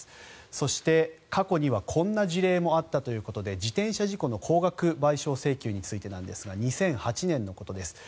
そして、過去にはこんな事例もあったということで自転車事故の高額賠償請求についてですが２００８年のことです。